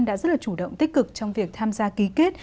đã rất là chủ động tích cực trong việc tham gia ký kết